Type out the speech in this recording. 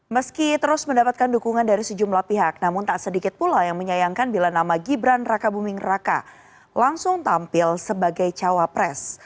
meski terus mendapatkan dukungan dari sejumlah pihak namun tak sedikit pula yang menyayangkan bila nama gibran raka buming raka langsung tampil sebagai cawapres